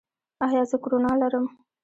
ایا زه کرونا لرم؟